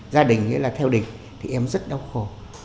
gia đình ấy là theo định thì em rất đau khổ